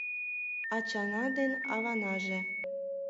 Ачана ден аванаже